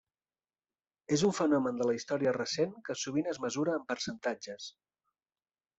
És un fenomen de la història recent que sovint es mesura en percentatges.